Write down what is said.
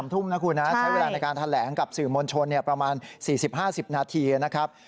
ทุ่มนะคุณนะใช้เวลาในการแถลงกับสื่อมวลชนประมาณ๔๐๕๐นาทีนะครับ